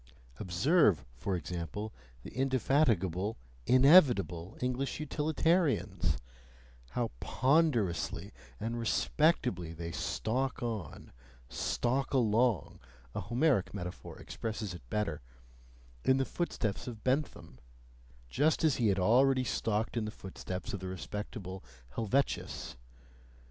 Observe, for example, the indefatigable, inevitable English utilitarians: how ponderously and respectably they stalk on, stalk along (a Homeric metaphor expresses it better) in the footsteps of Bentham, just as he had already stalked in the footsteps of the respectable Helvetius!